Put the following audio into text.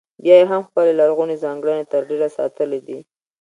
بیا یې هم خپلې لرغونې ځانګړنې تر ډېره ساتلې دي.